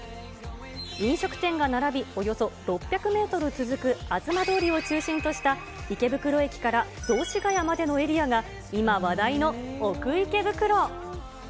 飲食店が並び、およそ６００メートル続く東通りを中心とした池袋駅から雑司ヶ谷までのエリアが、今話題の奥池袋。